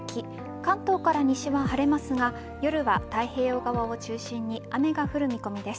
関東から西は晴れますが夜は太平洋側を中心に雨が降る見込みです。